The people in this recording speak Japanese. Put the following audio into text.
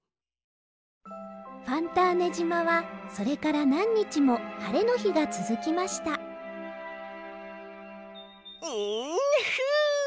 ファンターネじまはそれからなんにちもはれのひがつづきましたンフゥッ！